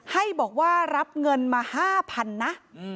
ให้บอกว่ารับเงินมา๕๐๐๐นะ